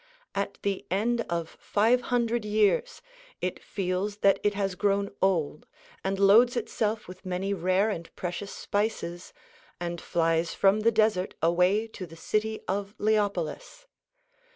At the end of five hundred years it feels that it has grown old, and loads itself with many rare and precious spices, and flies from the desert away to the city of Leopolis.